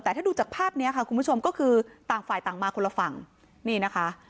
แต่ถ้าดูจากภาพนี้ค่ะคุณผู้ชมก็คือต่างฝ่ายต่างมาคนละฝั่งนี่นะคะ